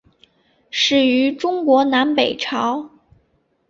始于中国南北朝。